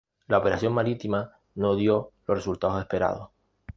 La operación marítima no dio los resultados esperados.